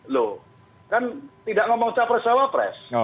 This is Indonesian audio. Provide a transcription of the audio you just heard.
loh kan tidak ngomong capres salah pres